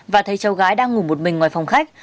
và thấy cháu gái đang ngủ một mình ngoài phòng khách